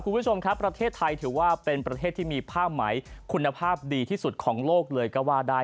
คุณผู้ชมครับประเทศไทยถือว่าเป็นประเทศที่มีผ้าไหมคุณภาพดีที่สุดของโลกเลยก็ว่าได้